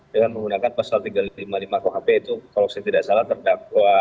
dengan menggunakan pasal tiga ratus lima puluh lima kuhp itu kalau saya tidak salah terdakwa